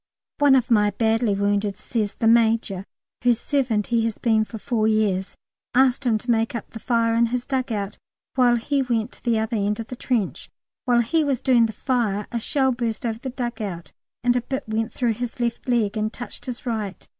One of my badly woundeds says "the Major" (whose servant he has been for four years) asked him to make up the fire in his dug out, while he went to the other end of the trench. While he was doing the fire a shell burst over the dug out and a bit went through his left leg and touched his right.